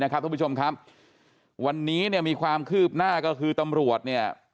ทุกผู้ชมครับวันนี้เนี่ยมีความคืบหน้าก็คือตำรวจเนี่ย